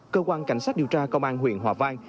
cơ quan cảnh sát điều tra công an huyện hòa vang